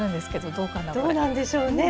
どうなんでしょうね。